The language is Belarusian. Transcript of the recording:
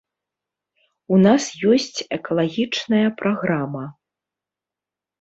У нас ёсць экалагічная праграма.